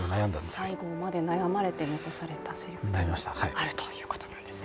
最後まで悩まれて残されたせりふがあるということですね。